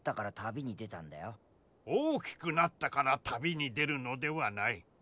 大きくなったから旅に出るのではない。